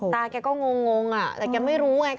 แกก็งงแต่แกไม่รู้ไง